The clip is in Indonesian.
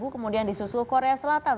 kemudian di susul korea selatan